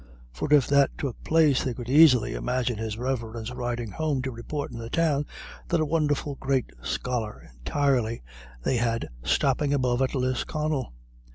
For if that took place they could easily imagine his Reverence riding home to report in the Town what a wonderful great scholar entirely they had stopping above at Lisconnel.